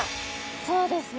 そうですね。